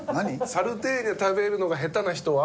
サルテーニャ食べるのが下手な人は？